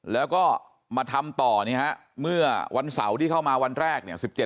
แล้วก็มาทำต่อเนี่ยฮะเมื่อวันเสาร์ที่เข้ามาวันแรกเนี่ย